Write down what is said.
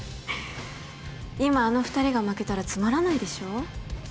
今あの二人が負けたらつまらないでしょ